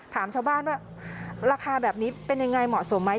ถามชาวบ้านว่าราคาแบบนี้เป็นยังไงเหมาะสมไหม